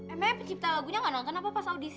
emang pencipta lagunya tidak nonton apa pas audisi